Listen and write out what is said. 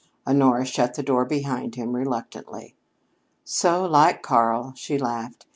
Honora shut the door behind him reluctantly. "So like Karl!" she laughed.